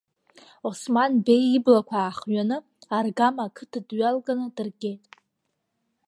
Осман Беи иблақәа аахҩаны, аргама ақыҭа дҩалганы дыргеит.